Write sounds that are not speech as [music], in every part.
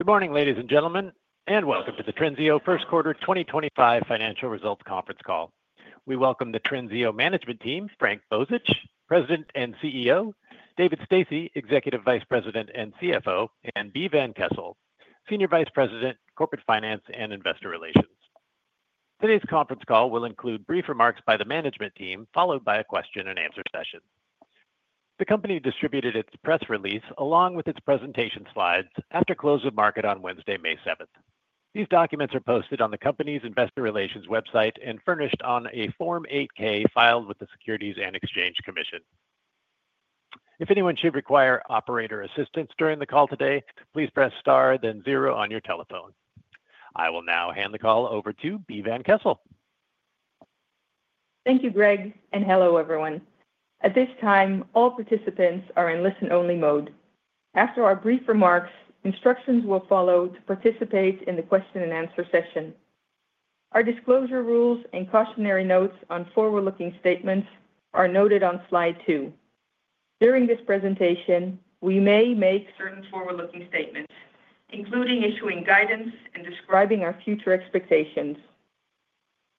Good morning, ladies and gentlemen, and welcome to the Trinseo First Quarter 2025 Financial Results Conference Call. We welcome the Trinseo Management Team, Frank Bozich, President and CEO; David Stasse, Executive Vice President and CFO; and Bee Van Kessel, Senior Vice President, Corporate Finance and Investor Relations. Today's conference call will include brief remarks by the Management Team, followed by a question-and-answer session. The company distributed its press release along with its presentation slides after close of market on Wednesday, May 7th. These documents are posted on the company's Investor Relations website and furnished on a Form 8-K filed with the Securities and Exchange Commission. If anyone should require operator assistance during the call today, please press star, then zero on your telephone. I will now hand the call over to Bee Van Kessel. Thank you, Greg, and hello, everyone. At this time, all participants are in listen-only mode. After our brief remarks, instructions will follow to participate in the question-and-answer session. Our disclosure rules and cautionary notes on forward-looking statements are noted on slide two. During this presentation, we may make certain forward-looking statements, including issuing guidance and describing our future expectations.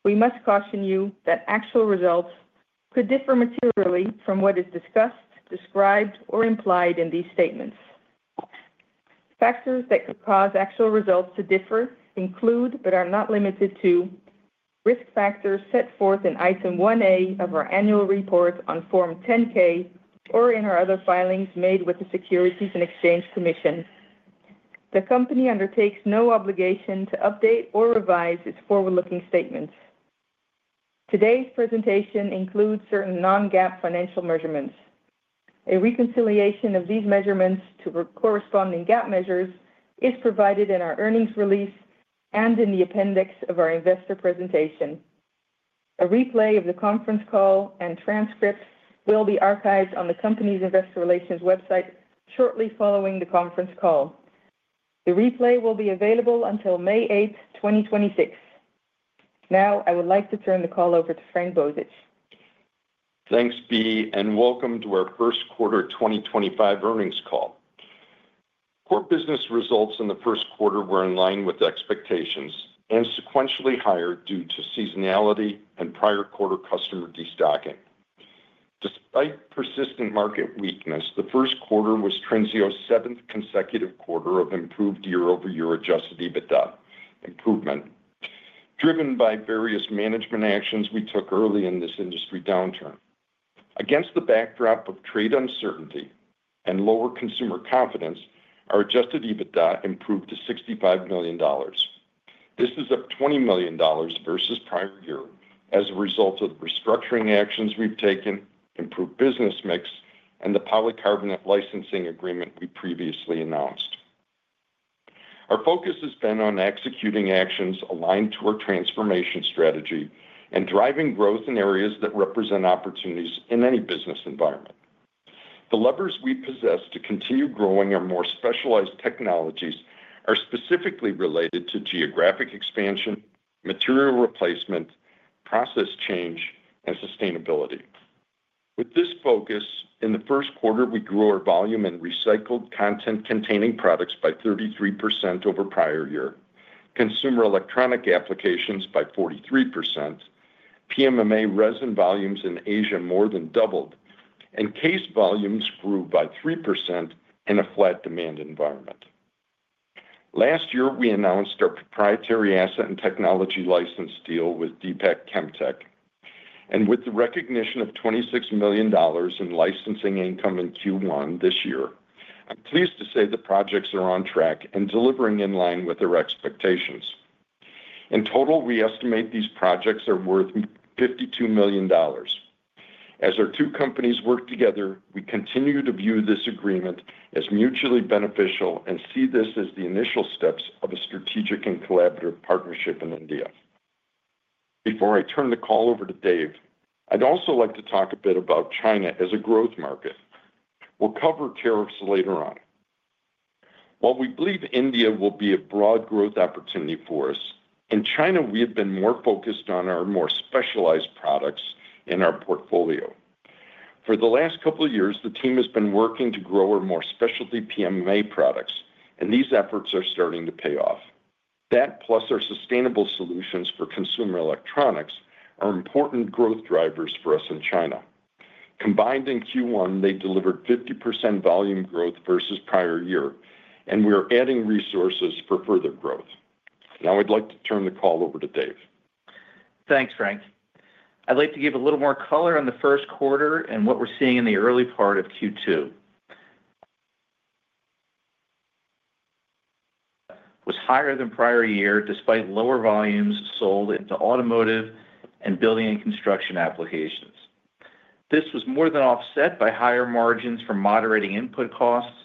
We must caution you that actual results could differ materially from what is discussed, described, or implied in these statements. Factors that could cause actual results to differ include, but are not limited to, risk factors set forth in Item 1A of our annual report on Form 10-K or in our other filings made with the Securities and Exchange Commission. The company undertakes no obligation to update or revise its forward-looking statements. Today's presentation includes certain non-GAAP financial measurements. A reconciliation of these measurements to corresponding GAAP measures is provided in our earnings release and in the appendix of our investor presentation. A replay of the conference call and transcript will be archived on the company's Investor Relations website shortly following the conference call. The replay will be available until May 8, 2026. Now, I would like to turn the call over to Frank Bozich. Thanks, Bee, and welcome to our first quarter 2025 earnings call. Core business results in the first quarter were in line with expectations and sequentially higher due to seasonality and prior quarter customer destocking. Despite persistent market weakness, the first quarter was Trinseo's seventh consecutive quarter of improved year-over-year adjusted EBITDA improvement, driven by various management actions we took early in this industry downturn. Against the backdrop of trade uncertainty and lower consumer confidence, our adjusted EBITDA improved to $65 million. This is up $20 million versus prior year as a result of restructuring actions we've taken, improved business mix, and the polycarbonate licensing agreement we previously announced. Our focus has been on executing actions aligned to our transformation strategy and driving growth in areas that represent opportunities in any business environment. The levers we possess to continue growing our more specialized technologies are specifically related to geographic expansion, material replacement, process change, and sustainability. With this focus, in the first quarter, we grew our volume in recycled content-containing products by 33% over prior year, consumer electronic applications by 43%, PMMA resin volumes in Asia more than doubled, and CASE volumes grew by 3% in a flat demand environment. Last year, we announced our proprietary asset and technology license deal with Deepak Chem Tech, and with the recognition of $26 million in licensing income in Q1 this year, I'm pleased to say the projects are on track and delivering in line with our expectations. In total, we estimate these projects are worth $52 million. As our two companies work together, we continue to view this agreement as mutually beneficial and see this as the initial steps of a strategic and collaborative partnership in India. Before I turn the call over to Dave, I'd also like to talk a bit about China as a growth market. We'll cover tariffs later on. While we believe India will be a broad growth opportunity for us, in China, we have been more focused on our more specialized products in our portfolio. For the last couple of years, the team has been working to grow our more specialty PMMA products, and these efforts are starting to pay off. That, plus our sustainable solutions for consumer electronics, are important growth drivers for us in China. Combined in Q1, they delivered 50% volume growth versus prior year, and we are adding resources for further growth. Now, I'd like to turn the call over to Dave. Thanks, Frank. I'd like to give a little more color on the first quarter and what we're seeing in the early part of Q2 [audio distortion] was higher than prior year despite lower volumes sold into automotive and building and construction applications. This was more than offset by higher margins from moderating input costs,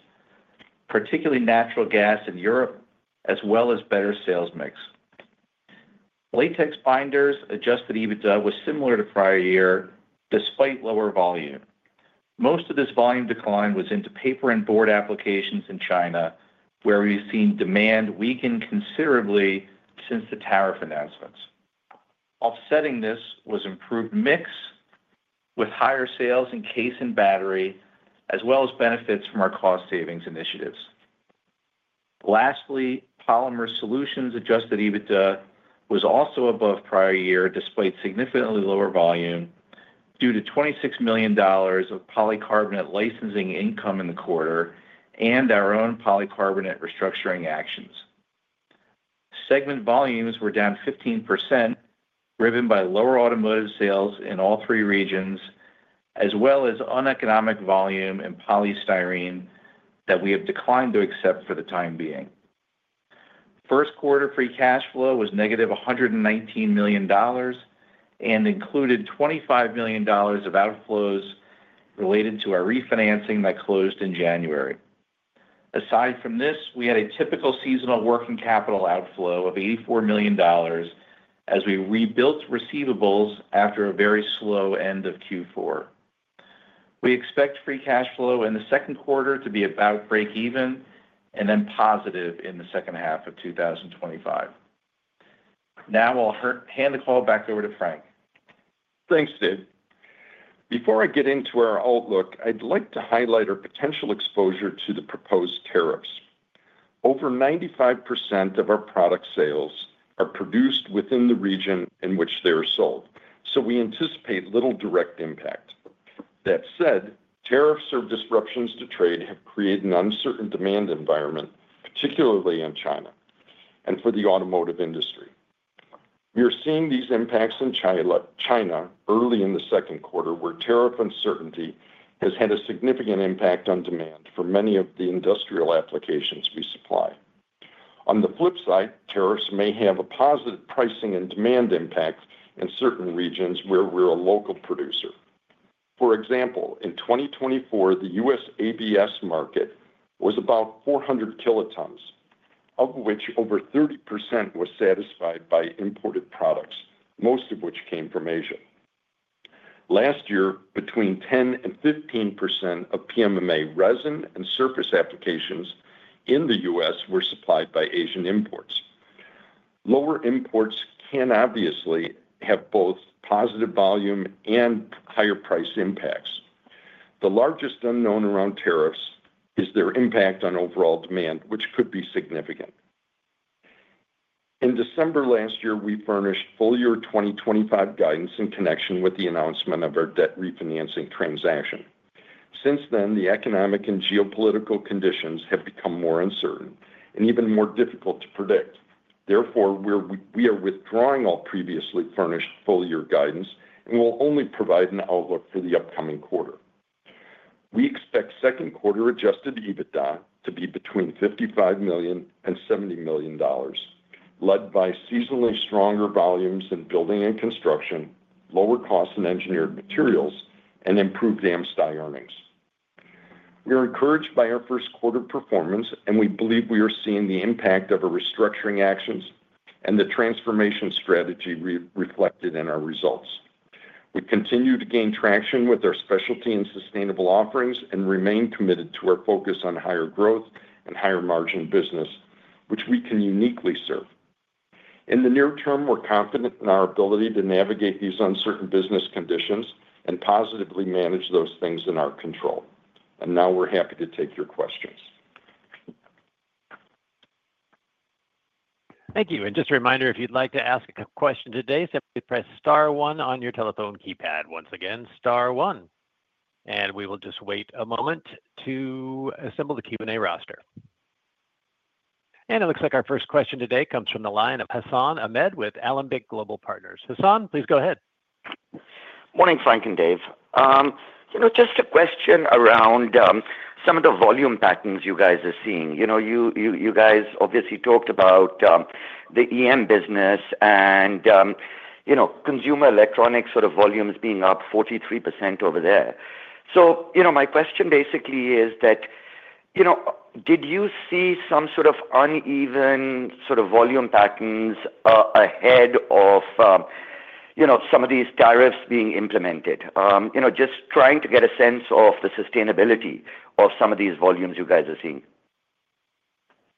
particularly natural gas in Europe, as well as better sales mix. Latex Binders adjusted EBITDA was similar to prior year despite lower volume. Most of this volume decline was into paper and board applications in China, where we've seen demand weaken considerably since the tariff announcements. Offsetting this was improved mix with higher sales in case and battery, as well as benefits from our cost savings initiatives. Lastly, Polymer Solutions adjusted EBITDA was also above prior year despite significantly lower volume due to $26 million of polycarbonate licensing income in the quarter and our own polycarbonate restructuring actions. Segment volumes were down 15%, driven by lower automotive sales in all three regions, as well as uneconomic volume in polystyrene that we have declined to accept for the time being. First quarter free cash flow was -$119 million and included $25 million of outflows related to our refinancing that closed in January. Aside from this, we had a typical seasonal working capital outflow of $84 million as we rebuilt receivables after a very slow end of Q4. We expect free cash flow in the second quarter to be about break-even and then positive in the second half of 2025. Now, I'll hand the call back over to Frank. Thanks, Dave. Before I get into our outlook, I'd like to highlight our potential exposure to the proposed tariffs. Over 95% of our product sales are produced within the region in which they are sold, so we anticipate little direct impact. That said, tariffs or disruptions to trade have created an uncertain demand environment, particularly in China and for the automotive industry. We are seeing these impacts in China early in the second quarter, where tariff uncertainty has had a significant impact on demand for many of the industrial applications we supply. On the flip side, tariffs may have a positive pricing and demand impact in certain regions where we're a local producer. For example, in 2024, the US ABS market was about 400 kilotons, of which over 30% was satisfied by imported products, most of which came from Asia. Last year, between 10% and 15% of PMMA resin and surface applications in the U.S. were supplied by Asian imports. Lower imports can obviously have both positive volume and higher price impacts. The largest unknown around tariffs is their impact on overall demand, which could be significant. In December last year, we furnished full year 2025 guidance in connection with the announcement of our debt refinancing transaction. Since then, the economic and geopolitical conditions have become more uncertain and even more difficult to predict. Therefore, we are withdrawing all previously furnished full year guidance and will only provide an outlook for the upcoming quarter. We expect second quarter adjusted EBITDA to be between $55 million and $70 million, led by seasonally stronger volumes in building and construction, lower costs in engineered materials, and improved AmSty earnings. We are encouraged by our first quarter performance, and we believe we are seeing the impact of our restructuring actions and the transformation strategy reflected in our results. We continue to gain traction with our specialty and sustainable offerings and remain committed to our focus on higher growth and higher margin business, which we can uniquely serve. In the near term, we're confident in our ability to navigate these uncertain business conditions and positively manage those things in our control. We are happy to take your questions. Thank you. Just a reminder, if you'd like to ask a question today, simply press star one on your telephone keypad, once again, star one. We will just wait a moment to assemble the Q&A roster. It looks like our first question today comes from the line of Hassan Ahmed with Alembic Global Partners. Hassan, please go ahead. Morning, Frank and Dave. You know, just a question around some of the volume patterns you guys are seeing. You know, you guys obviously talked about the EM business and consumer electronics sort of volumes being up 43% over there. You know, my question basically is that, you know, did you see some sort of uneven sort of volume patterns ahead of some of these tariffs being implemented? You know, just trying to get a sense of the sustainability of some of these volumes you guys are seeing.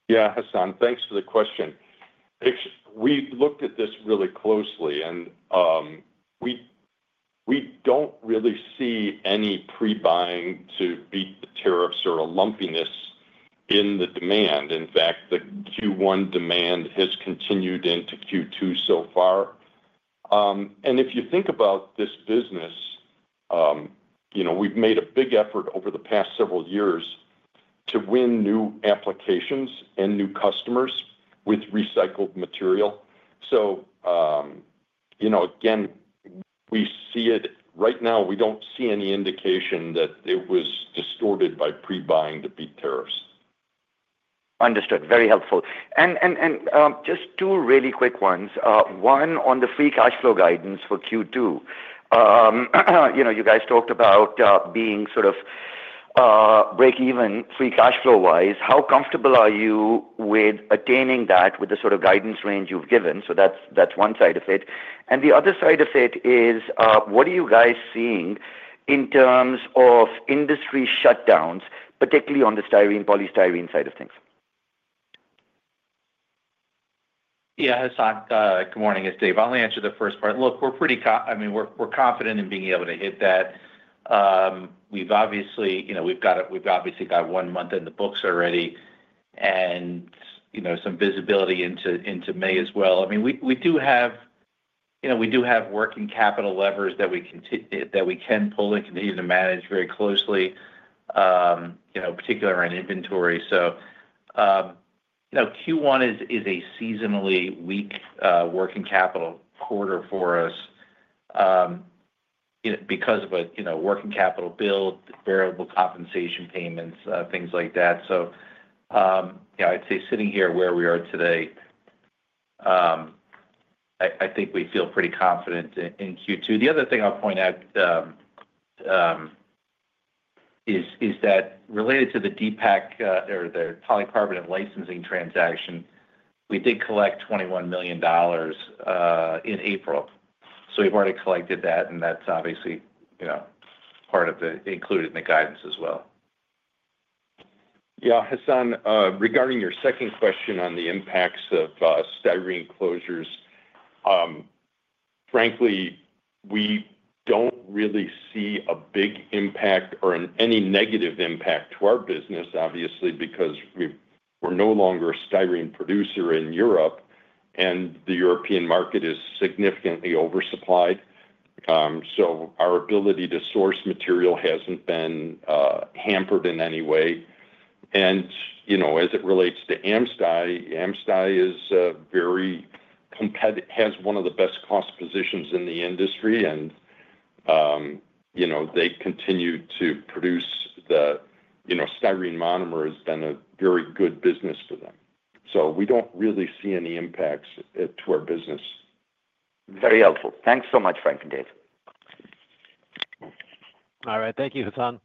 Yeah, Hassan, thanks for the question. We looked at this really closely, and we do not really see any pre-buying to beat the tariffs or a lumpiness in the demand. In fact, the Q1 demand has continued into Q2 so far. If you think about this business, you know, we have made a big effort over the past several years to win new applications and new customers with recycled material. You know, again, we see it right now, we do not see any indication that it was distorted by pre-buying to beat tariffs. Understood. Very helpful. And just two really quick ones. One on the free cash flow guidance for Q2. You know, you guys talked about being sort of break-even free cash flow-wise. How comfortable are you with attaining that with the sort of guidance range you've given? So that's one side of it. And the other side of it is, what are you guys seeing in terms of industry shutdowns, particularly on the styrene polystyrene side of things? Yeah, Hassan, good morning. It's Dave. I'll answer the first part. Look, we're pretty confident in being able to hit that. We've obviously, you know, we've obviously got one month in the books already and, you know, some visibility into May as well. I mean, we do have, you know, we do have working capital levers that we can pull and continue to manage very closely, you know, particularly around inventory. Q1 is a seasonally weak working capital quarter for us because of a, you know, working capital build, variable compensation payments, things like that. I'd say sitting here where we are today, I think we feel pretty confident in Q2. The other thing I'll point out is that related to the Deepak or the polycarbonate licensing transaction, we did collect $21 million in April. We've already collected that, and that's obviously, you know, part of the included in the guidance as well. Yeah, Hassan, regarding your second question on the impacts of styrene closures, frankly, we do not really see a big impact or any negative impact to our business, obviously, because we are no longer a styrene producer in Europe, and the European market is significantly oversupplied. Our ability to source material has not been hampered in any way. You know, as it relates to AmSty, AmSty is very competitive, has one of the best cost positions in the industry, and, you know, they continue to produce, you know, styrene monomer has been a very good business for them. We do not really see any impacts to our business. Very helpful. Thanks so much, Frank and Dave. All right. Thank you, Hassan.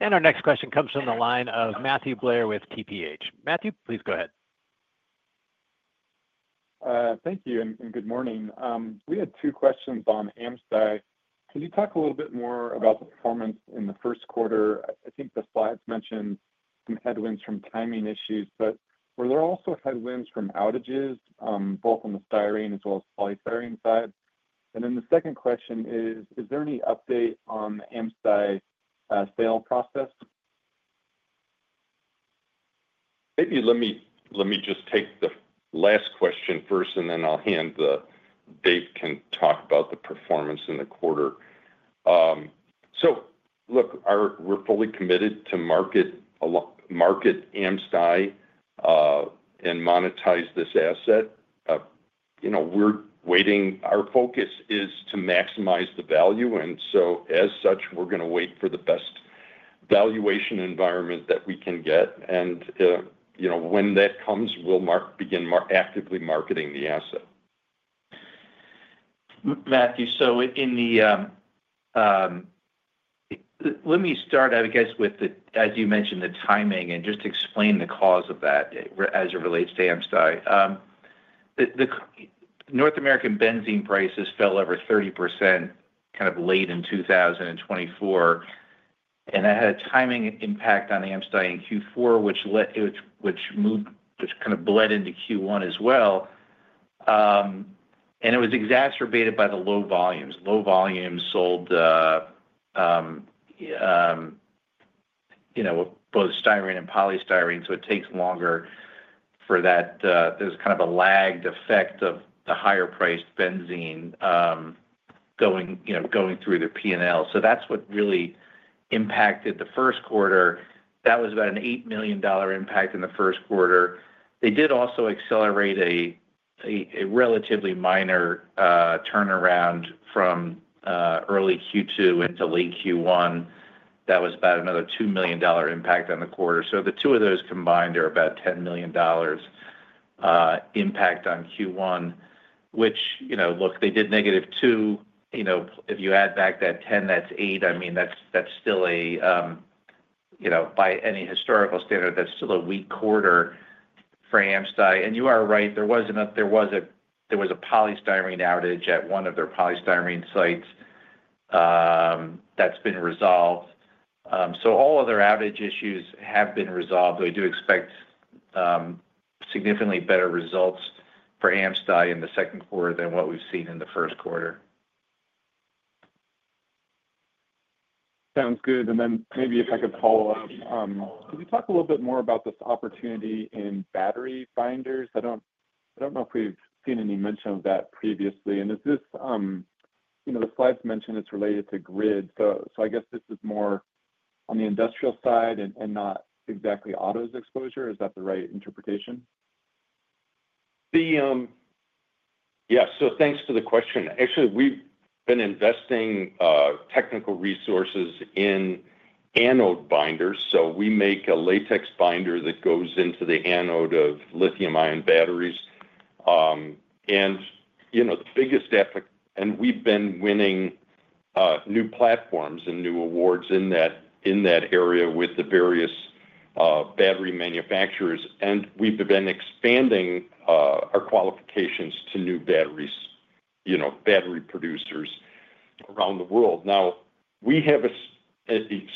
Our next question comes from the line of Matthew Blair with TPH. Matthew, please go ahead. Thank you and good morning. We had two questions on AmSty. Can you talk a little bit more about the performance in the first quarter? I think the slides mentioned some headwinds from timing issues, but were there also headwinds from outages, both on the styrene as well as polystyrene side? The second question is, is there any update on the AmSty sale process? Maybe let me just take the last question first, and then I'll hand to Dave who can talk about the performance in the quarter. Look, we're fully committed to market AmSty and monetize this asset. You know, we're waiting, our focus is to maximize the value. As such, we're going to wait for the best valuation environment that we can get. You know, when that comes, we'll begin actively marketing the asset. Matthew, so in the, let me start, I guess, with the, as you mentioned, the timing and just explain the cause of that as it relates to AmSty. The North American benzene prices fell over 30% kind of late in 2024. That had a timing impact on AmSty in Q4, which moved, which kind of bled into Q1 as well. It was exacerbated by the low volumes. Low volumes sold, you know, both styrene and polystyrene. It takes longer for that. There is kind of a lagged effect of the higher priced benzene going, you know, going through the P&L. That is what really impacted the first quarter. That was about an $8 million impact in the first quarter. They did also accelerate a relatively minor turnaround from early Q2 into late Q1. That was about another $2 million impact on the quarter. The two of those combined are about $10 million impact on Q1, which, you know, look, they did -$2 million. You know, if you add back that $10 million, that's $8 million. I mean, that's still a, you know, by any historical standard, that's still a weak quarter for AmSty. You are right. There was a polystyrene outage at one of their polystyrene sites that's been resolved. All other outage issues have been resolved. We do expect significantly better results for AmSty in the second quarter than what we've seen in the first quarter. Sounds good. Maybe if I could follow up, could you talk a little bit more about this opportunity in battery binders? I do not know if we have seen any mention of that previously. Is this, you know, the slides mentioned it is related to grid. I guess this is more on the industrial side and not exactly autos exposure. Is that the right interpretation? Yeah. So thanks for the question. Actually, we've been investing technical resources in anode binders. So we make a latex binder that goes into the anode of lithium-ion batteries. And, you know, the biggest effort, and we've been winning new platforms and new awards in that area with the various battery manufacturers. We've been expanding our qualifications to new batteries, you know, battery producers around the world. Now, we have a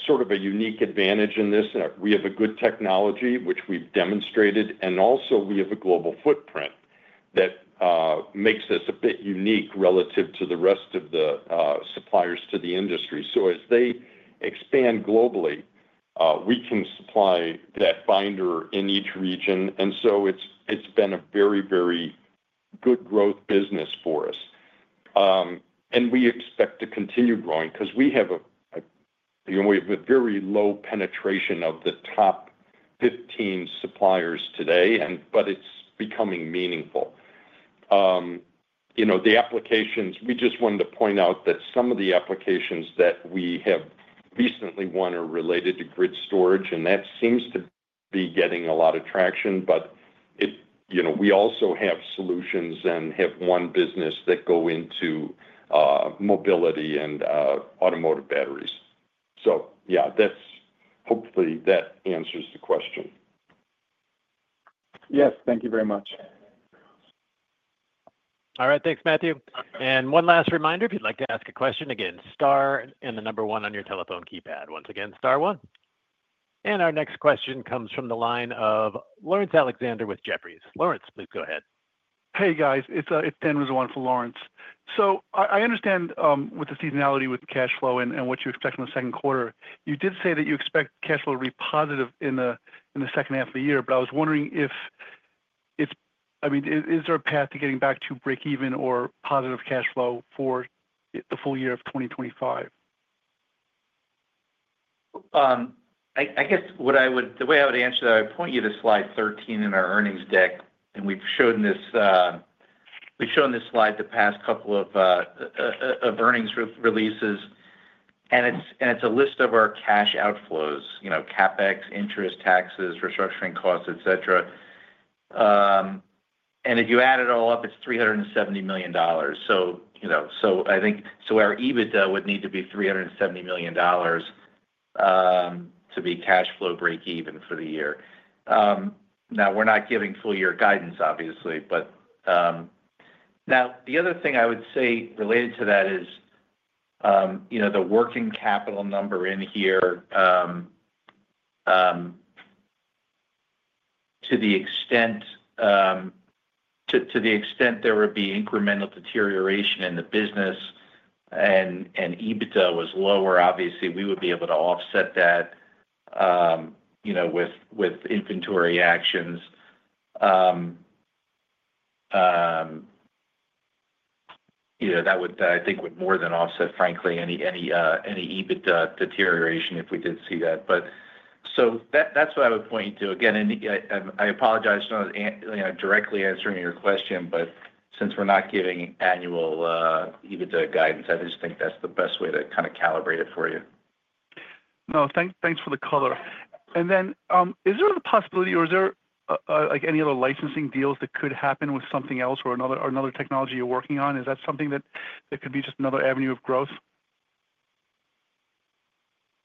sort of a unique advantage in this. We have a good technology, which we've demonstrated, and also we have a global footprint that makes us a bit unique relative to the rest of the suppliers to the industry. As they expand globally, we can supply that binder in each region. It's been a very, very good growth business for us. We expect to continue growing because we have a, you know, we have a very low penetration of the top 15 suppliers today, but it is becoming meaningful. You know, the applications, we just wanted to point out that some of the applications that we have recently won are related to grid storage, and that seems to be getting a lot of traction. It, you know, we also have solutions and have won business that go into mobility and automotive batteries. Yeah, hopefully that answers the question. Yes. Thank you very much. All right. Thanks, Matthew. And one last reminder, if you'd like to ask a question again, star and the number one on your telephone keypad. Once again, star one. Our next question comes from the line of Laurence Alexander with Jefferies. Laurence, please go ahead. Hey, guys. It's Dan Rizzo on for Laurence. I understand with the seasonality with cash flow and what you expect from the second quarter, you did say that you expect cash flow to be positive in the second half of the year, but I was wondering if it's, I mean, is there a path to getting back to break-even or positive cash flow for the full year of 2025? I guess what I would, the way I would answer that, I point you to slide 13 in our earnings deck. We have shown this slide the past couple of earnings releases. It is a list of our cash outflows, you know, CapEx, interest, taxes, restructuring costs, et cetera. If you add it all up, it is $370 million. I think our EBITDA would need to be $370 million to be cash flow break-even for the year. Now, we are not giving full year guidance, obviously. The other thing I would say related to that is, you know, the working capital number in here, to the extent there would be incremental deterioration in the business and EBITDA was lower, obviously, we would be able to offset that, you know, with inventory actions. You know, that would, I think, would more than offset, frankly, any EBITDA deterioration if we did see that. That is what I would point you to. Again, and I apologize, you know, directly answering your question, but since we're not giving annual EBITDA guidance, I just think that's the best way to kind of calibrate it for you. No, thanks for the color. Is there a possibility or is there like any other licensing deals that could happen with something else or another technology you're working on? Is that something that could be just another avenue of growth?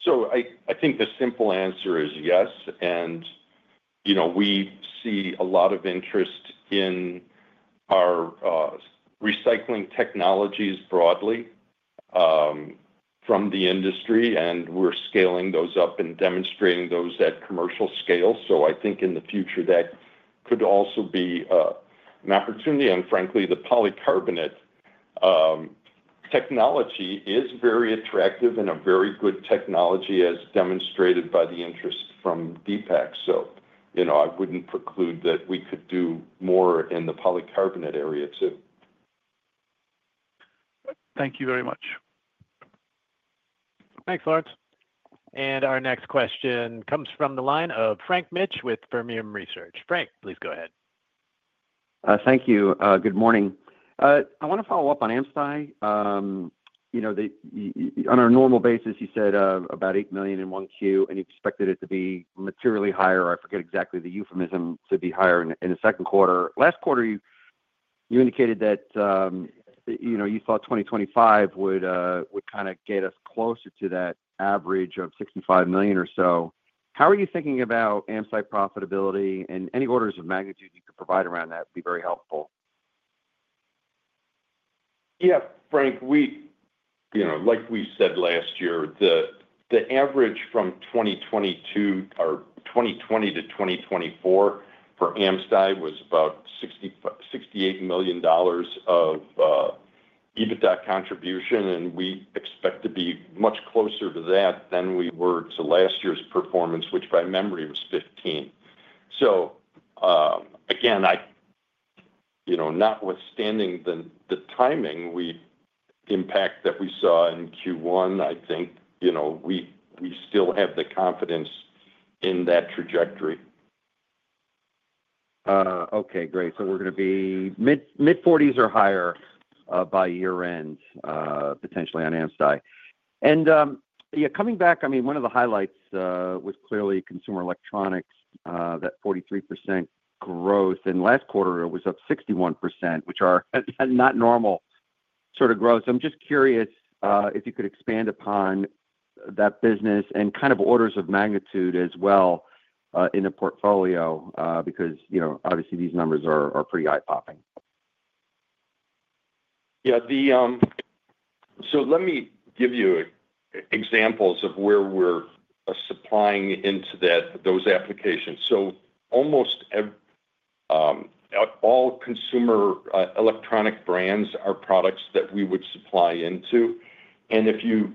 I think the simple answer is yes. You know, we see a lot of interest in our recycling technologies broadly from the industry, and we're scaling those up and demonstrating those at commercial scale. I think in the future that could also be an opportunity. Frankly, the polycarbonate technology is very attractive and a very good technology, as demonstrated by the interest from Deepak. You know, I wouldn't preclude that we could do more in the polycarbonate area too. Thank you very much. Thanks, Laurence. Our next question comes from the line of Frank Mitsch with Fermium Research. Frank, please go ahead. Thank you. Good morning. I want to follow up on AmSty. You know, on a normal basis, you said about $8 million in 1Q, and you expected it to be materially higher. I forget exactly the euphemism to be higher in the second quarter. Last quarter, you indicated that, you know, you thought 2025 would kind of get us closer to that average of $65 million or so. How are you thinking about AmSty profitability? And any orders of magnitude you could provide around that would be very helpful. Yeah, Frank, we, you know, like we said last year, the average from 2022 or 2020 to 2024 for AmSty was about $68 million of EBITDA contribution. And we expect to be much closer to that than we were to last year's performance, which by memory was $15 million. Again, I, you know, notwithstanding the timing impact that we saw in Q1, I think, you know, we still have the confidence in that trajectory. Okay, great. We're going to be mid-40s or higher by year-end, potentially on AmSty. Yeah, coming back, I mean, one of the highlights was clearly consumer electronics, that 43% growth. Last quarter, it was up 61%, which are not normal sort of growth. I'm just curious if you could expand upon that business and kind of orders of magnitude as well in the portfolio because, you know, obviously these numbers are pretty eye-popping. Yeah. Let me give you examples of where we're supplying into those applications. Almost all consumer electronic brands are products that we would supply into. If you,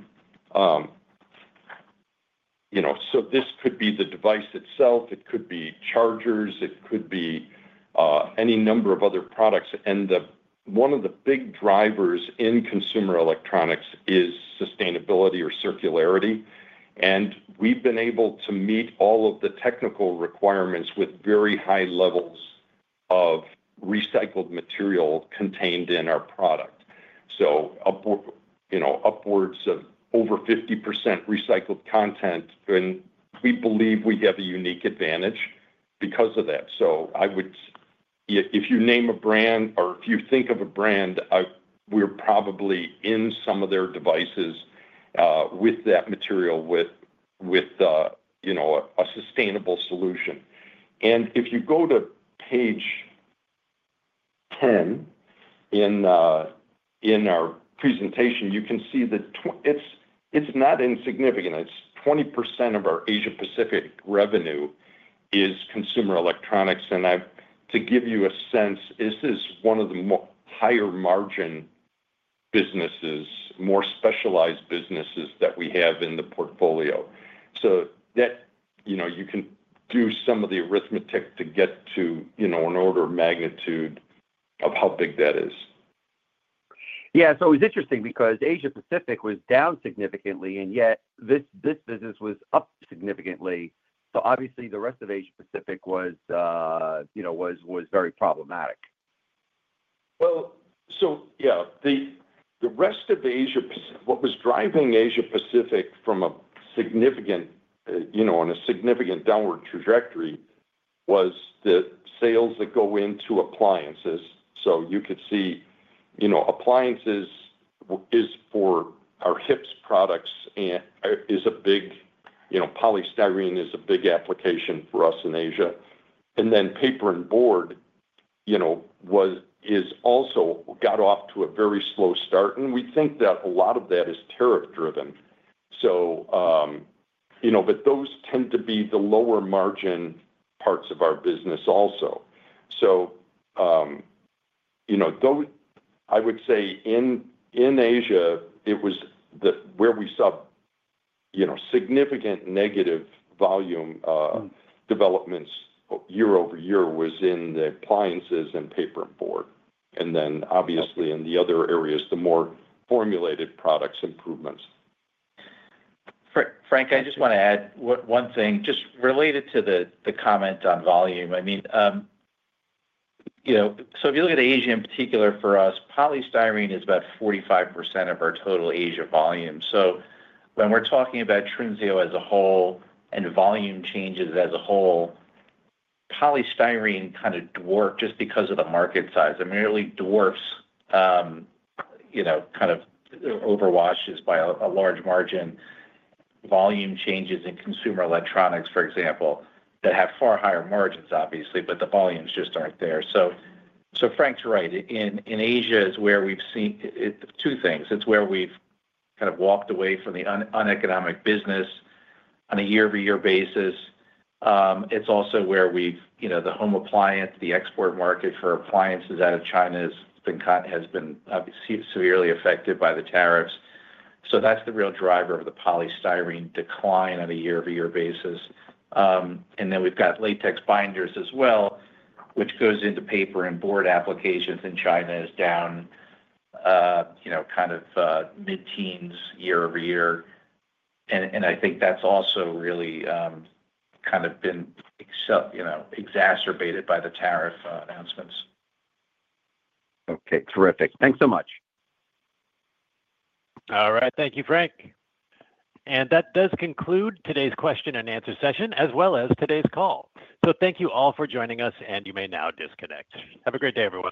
you know, this could be the device itself, it could be chargers, it could be any number of other products. One of the big drivers in consumer electronics is sustainability or circularity. We've been able to meet all of the technical requirements with very high levels of recycled material contained in our product. You know, upwards of over 50% recycled content. We believe we have a unique advantage because of that. I would, if you name a brand or if you think of a brand, we're probably in some of their devices with that material, with, you know, a sustainable solution. If you go to page 10 in our presentation, you can see that it is not insignificant. It is 20% of our Asia-Pacific revenue is consumer electronics. To give you a sense, this is one of the higher margin businesses, more specialized businesses that we have in the portfolio. You can do some of the arithmetic to get to an order of magnitude of how big that is. Yeah. So it's interesting because Asia-Pacific was down significantly, and yet this business was up significantly. Obviously the rest of Asia-Pacific was, you know, was very problematic. Yeah, the rest of Asia, what was driving Asia-Pacific from a significant, you know, on a significant downward trajectory was the sales that go into appliances. You could see, you know, appliances is for our HIPS products is a big, you know, polystyrene is a big application for us in Asia. Paper and board, you know, also got off to a very slow start. We think that a lot of that is tariff-driven. You know, but those tend to be the lower margin parts of our business also. You know, I would say in Asia, it was where we saw, you know, significant negative volume developments year over year was in the appliances and paper and board. Obviously in the other areas, the more formulated products improvements. Frank, I just want to add one thing just related to the comment on volume. I mean, you know, if you look at Asia in particular for us, polystyrene is about 45% of our total Asia volume. When we're talking about Trinseo as a whole and volume changes as a whole, polystyrene kind of dwarfs just because of the market size. I mean, it really dwarfs, you know, kind of overwashes by a large margin. Volume changes in consumer electronics, for example, that have far higher margins, obviously, but the volumes just aren't there. Frank's right. In Asia is where we've seen two things. It's where we've kind of walked away from the uneconomic business on a year-over-year basis. It's also where we've, you know, the home appliance, the export market for appliances out of China has been severely affected by the tariffs. That's the real driver of the polystyrene decline on a year-over-year basis. Then we've got Latex Binders as well, which goes into paper and board applications in China is down, you know, kind of mid-teens year-over-year. I think that's also really kind of been, you know, exacerbated by the tariff announcements. Okay. Terrific. Thanks so much. All right. Thank you, Frank. That does conclude today's question-and-answer session as well as today's call. Thank you all for joining us, and you may now disconnect. Have a great day, everyone.